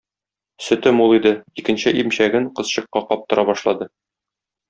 Сөте мул иде, икенче имчәген кызчыкка каптыра башлады.